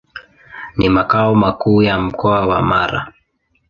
Ni makao makuu ya Mkoa wa Mara.